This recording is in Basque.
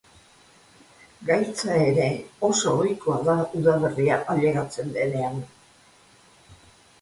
Gaitz ere oso ohikoa da udaberria ailegatzen denean.